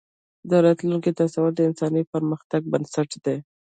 د راتلونکي تصور د انساني پرمختګ بنسټ دی.